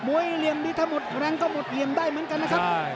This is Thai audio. เหลี่ยมนี้ถ้าหมดแรงก็หมดเหลี่ยมได้เหมือนกันนะครับ